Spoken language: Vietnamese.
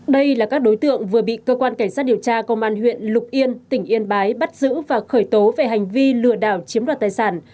đây là các đối tượng vừa bị cơ quan cảnh sát điều tra công an huyện lục yên tỉnh yên bái bắt giữ và khởi tố về hành vi lừa đảo chiếm đoạt tài sản